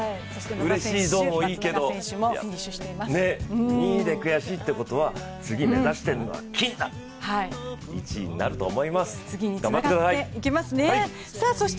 うれしい銅もいいけど、２位で悔しいってことは次を目指しているのは金だと、１位になると思います、頑張ってください。